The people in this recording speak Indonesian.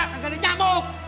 gak ada nyamuk